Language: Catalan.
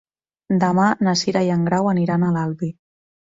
Demà na Cira i en Grau aniran a l'Albi.